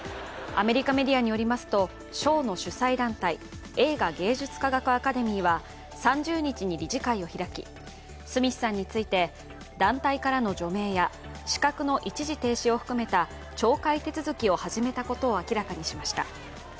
アメリカメディアによりますと賞の主催団体、映画芸術科学アカデミーは３０日に理事会を開きスミスさんについて団体からの除名や、資格の一時停止を含めた懲戒手続きを始めたことを明らかにしました。